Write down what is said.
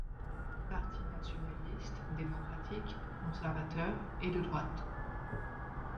Parti nationaliste, démocratique, conservateur et de droite.